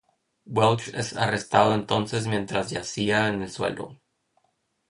Welch es arrastrado entonces mientras yacía en el suelo.